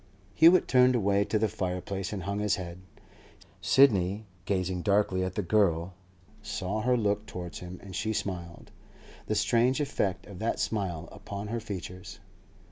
Hewett turned away to the fireplace and hung his head. Sidney, gazing darkly at the girl, saw her look towards him, and she smiled. The strange effect of that smile upon her features!